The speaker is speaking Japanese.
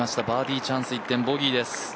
バーディーチャンス１点ボギーです。